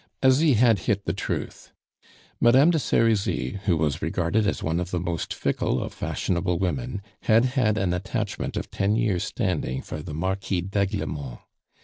Asie had hit the truth. Madame de Serizy, who was regarded as one of the most fickle of fashionable women, had had an attachment of ten years' standing for the Marquis d'Aiglemont.